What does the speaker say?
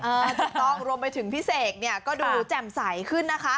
ถูกต้องรวมไปถึงพี่เสกเนี่ยก็ดูแจ่มใสขึ้นนะคะ